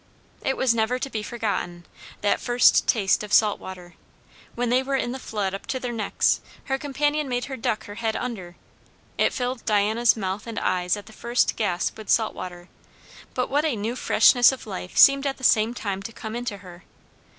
It was never to be forgotten, that first taste of salt water. When they were in the flood up to their necks, her companion made her duck her head under; it filled Diana's mouth and eyes at the first gasp with salt water, but what a new freshness of life seemed at the same time to come into her!